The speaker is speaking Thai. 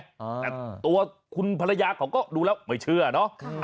แต่ตัวคุณภรรยาเขาก็ดูแล้วไม่เชื่อเนาะ